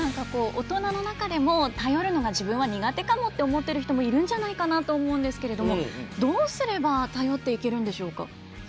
大人の中でも頼るのが自分は苦手かもって思ってる人もいるんじゃないかなと思うんですがどうすれば頼っていけるんでしょうか。